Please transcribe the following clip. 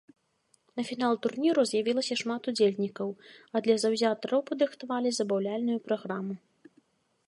На фінал турніру з'явілася шмат удзельнікаў, а для заўзятараў падрыхтавалі забаўляльную праграму.